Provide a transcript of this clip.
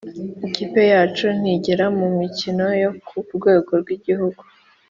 ikipe yacu ntigera mu mikino yo ku rwego rw’igihugu